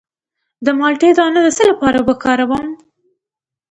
د مالټې دانه د څه لپاره وکاروم؟